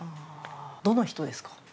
どの人ですか？